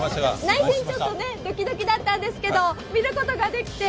内心ちょっとドキドキだったんですけど、見ることができて。